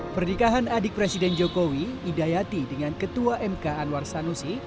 pernikahan adik presiden jokowi idayati dengan ketua mk anwar sanusi